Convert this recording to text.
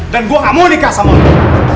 dan gua gak mau nikah sama lu